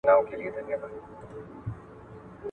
د ماشوم د غوږونو ساتنه له شور وکړئ.